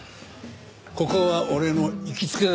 ここは俺の行きつけだ。